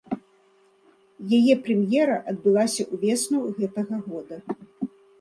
Яе прэм'ера адбылася ўвесну гэтага года.